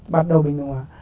bắt đầu bình thường hòa